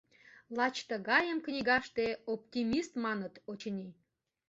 Лач тыгайым книгаште оптимист маныт, очыни.